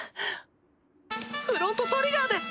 フロントトリガーです！